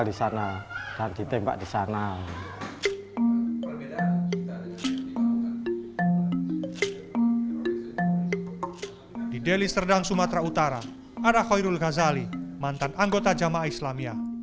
di delhi serdang sumatera utara ada khairul ghazali mantan anggota jamaah islamia